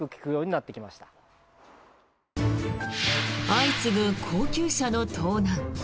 相次ぐ高級車の盗難。